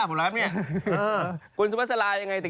ชินี้มาตัดหน้าผมแล้ว